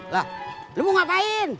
lah lo mau ngapain